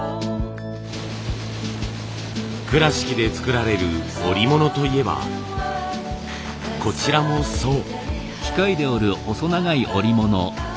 倉敷で作られる織物といえばこちらもそう。